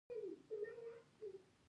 چې خپل ورور ووژني.